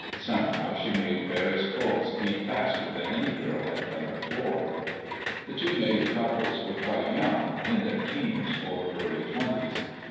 Somehow she made Barry's pulse beat faster than any girl had done before. The two native couples were quite young, in their 'teens or early twenties.